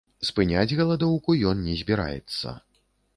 Спыняць галадоўку ён не збіраецца.